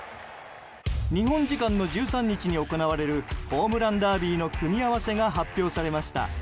日本時間の１３日に行われるホームランダービーの組み合わせが発表されました。